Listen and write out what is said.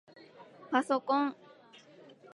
パソコン